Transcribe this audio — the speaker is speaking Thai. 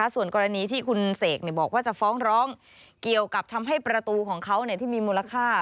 ส่วนกรณีที่คุณเสกบอกว่าจะฟ้องร้องเกี่ยวกับทำให้ประตูของเขาที่มีมูลค่า